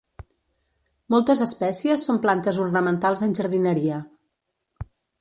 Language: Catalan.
Moltes espècies són plantes ornamentals en jardineria.